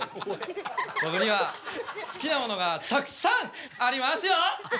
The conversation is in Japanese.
僕には好きなものがたくさんありますよ！